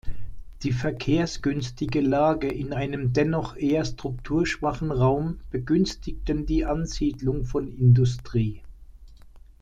Die verkehrsgünstige Lage in einem dennoch eher strukturschwachen Raum begünstigten die Ansiedlung von Industrie.